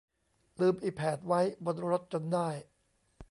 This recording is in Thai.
ลืมอิแผดไว้บนรถจนได้